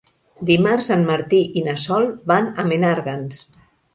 Dimarts en Martí i na Sol van a Menàrguens.